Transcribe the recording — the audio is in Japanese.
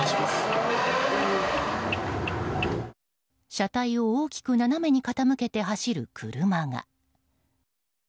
車体を大きく斜めに傾けて走る車が。